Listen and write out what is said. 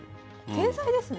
天才ですね。